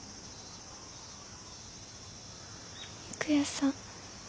郁弥さん